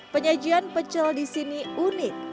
penyajian pecel di sini unik